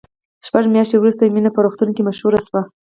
شپږ میاشتې وروسته مینه په روغتون کې مشهوره شوه